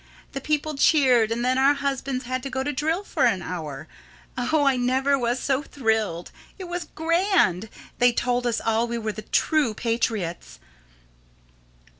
The people cheered, and then our husbands had to go to drill for an hour. Oh, I never was so thrilled! It was grand! They told us we were the true patriots.